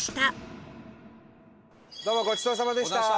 どうもごちそうさまでした。